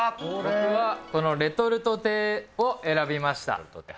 僕は、このレトルト亭を選びました。